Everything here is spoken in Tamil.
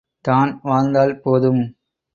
தான் வாழ்ந்தால் போதும்!